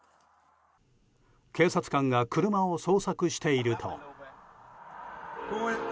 警察官が車を捜索していると。